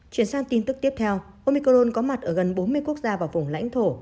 chuyển sang tin tức tiếp theo omicron có mặt ở gần bốn mươi quốc gia và vùng lãnh thổ